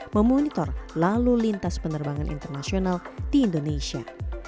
memonitor lalu lintas penerbangan internasional di indonesia